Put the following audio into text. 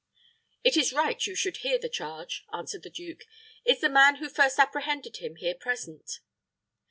"It is right you should near the charge," answered the duke. "Is the man who first apprehended him here present?"